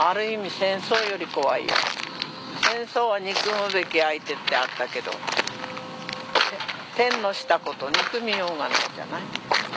戦争は憎むべき相手ってあったけど天のしたこと憎みようがないじゃない。